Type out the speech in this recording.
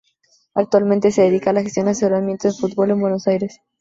Actualmente se dedica a la gestión y asesoramiento de futbolistas en Buenos Aires.